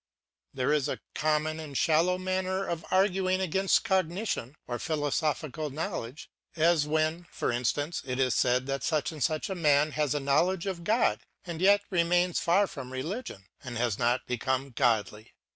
There is a common and shallow manner of arguing against cognition or philosophical knowledge, as when, for instance, it is said that such and such a man has a knowledge of God, and yet remains far from religion, and has not become godly.